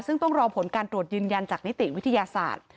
ซึ่งต้องรอผลการตรวจยืนยันจากนิติวิทยาศาสตร์